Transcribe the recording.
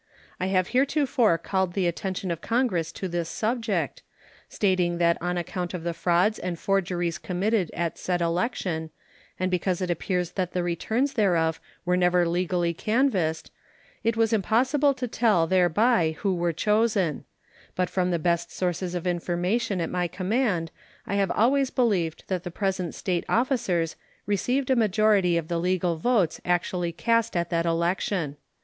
I have heretofore called the attention of Congress to this subject, stating that on account of the frauds and forgeries committed at said election, and because it appears that the returns thereof were never legally canvassed, it was impossible to tell thereby who were chosen; but from the best sources of information at my command I have always believed that the present State officers received a majority of the legal votes actually cast at that election.